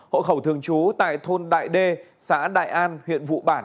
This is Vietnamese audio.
hộ khẩu thường chú tại thôn đại đê xã đại an huyện vũ hữu thuyên